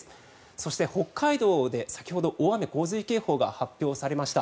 そして、北海道で先ほど大雨・洪水警報が発表されました。